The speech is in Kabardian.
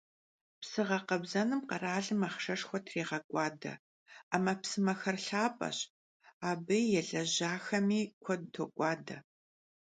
Psı ğekhebzenım kheralım axhşşeşşxue trêğek'uade: 'emepsımexer lhap'eş, abı yêlejaxemi kued tok'uade.